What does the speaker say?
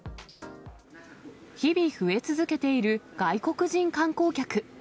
日々、増え続けている外国人観光客。